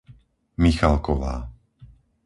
Michalková